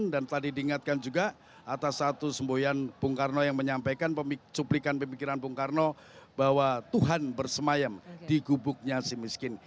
dan tadi diingatkan juga atas satu sembohan bung karno yang menyampaikan cuplikan pemikiran bung karno bahwa tuhan bersemayam di gubuknya si miskin